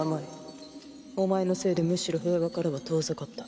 お前のせいでむしろ平和からは遠ざかった。